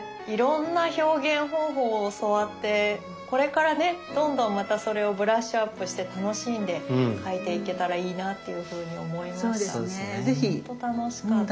いろんな表現方法を教わってこれからねどんどんまたそれをブラッシュアップして楽しんで描いていけたらいいなっていうふうに思いましたね。